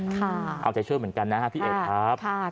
ขอบใจเชิญเหมือนกันนะครับพี่เอกครับ